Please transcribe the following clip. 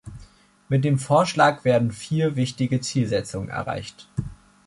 Mit dem Vorschlag werden vier wichtige Zielsetzungen erreicht.